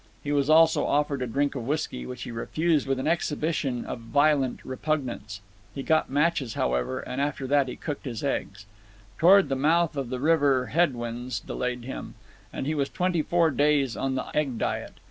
He was also offered a drink of whisky, which he refused with an exhibition of violent repugnance. He got matches, however, and after that he cooked his eggs. Toward the mouth of the river head winds delayed him, and he was twenty four days on the egg diet.